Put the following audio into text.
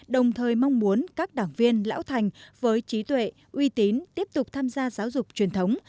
đồng thời mong muốn các đảng viên lão thành với trí tuệ uy tín tiếp tục tham gia giáo dục truyền thống